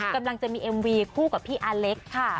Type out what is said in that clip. กำลังจะมีเอ็มวีคู่กับพี่อาเล็กค่ะ